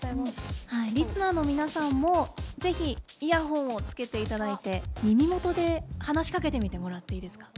リスナーの皆さんも是非イヤホンをつけていただいて耳元で話しかけてみてもらっていいですか？